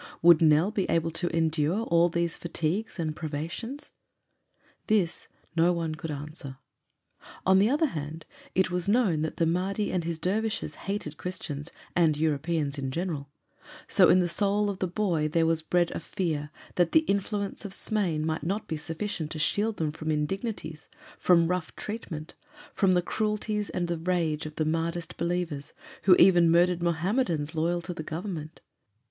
Would Nell be able to endure all these fatigues and privations? This no one could answer. On the other hand, it was known that the Mahdi and his dervishes hated Christians, and Europeans in general; so in the soul of the boy there was bred a fear that the influence of Smain might not be sufficient to shield them from indignities, from rough treatment, from the cruelties and the rage of the Mahdist believers, who even murdered Mohammedans loyal to the Government.